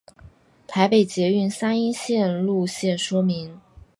台北捷运三莺线路线说明